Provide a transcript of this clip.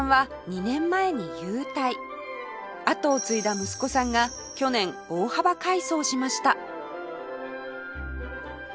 後を継いだ息子さんが去年大幅改装しました